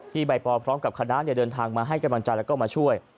ใบปอลพร้อมกับคณะเดินทางมาให้กำลังใจแล้วก็มาช่วย